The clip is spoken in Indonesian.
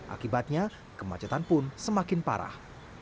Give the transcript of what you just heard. akibatnya kemacetan pun semakin parah